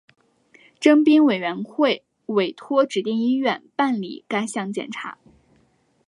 征兵检查委员会会委托指定医院办理该项检查。